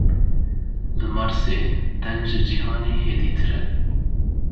Li Marsê deng ji cihanê hêdîtir e.